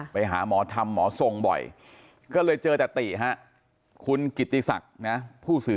ไปหาหมอถัมย์หมอทรงทรงบ่อย